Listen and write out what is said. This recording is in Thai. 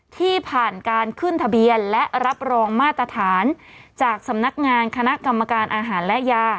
ที่ผ่านการขึ้นทะเบียนและรับรองมาตรฐานจากสำนักงานคณะกรรมการอาหารและยา